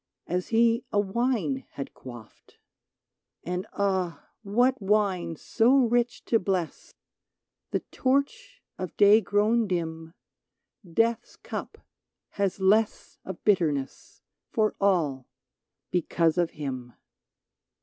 As he a wine had quaffed ; And, ah ! what wine so rich to bless ? The torch of day grown dim, Death's cup has less of bitterness For all, because of him